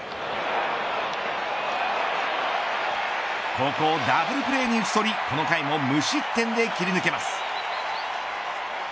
ここをダブルプレーに打ち取りこの回も無失点で切り抜けます。